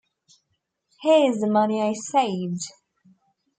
Here is the money I saved.